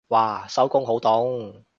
嘩收工好凍